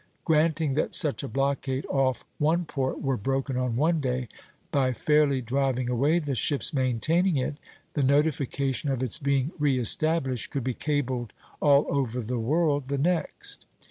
Granting that such a blockade off one port were broken on one day, by fairly driving away the ships maintaining it, the notification of its being re established could be cabled all over the world the next.